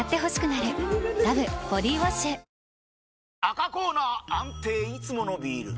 赤コーナー安定いつものビール！